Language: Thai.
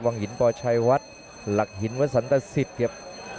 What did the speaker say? หินปชัยวัดหลักหินวสันตสิทธิ์ครับ